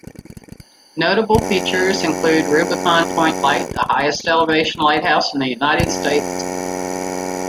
Notable features include Rubicon Point Light, the highest-elevation lighthouse in the United States.